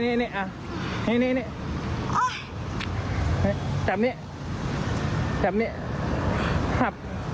ตรงนี้